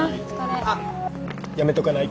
あやめとかない。